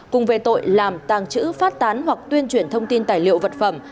cùng về tội làm tàng trữ phát tán hoặc tuyên truyền thông tin tài liệu vật phẩm